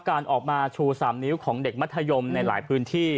การออกมาชู๓นิ้วของเด็กมัธยมในหลายพื้นที่